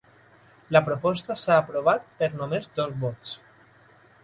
La proposta s'ha aprovat per només dos vots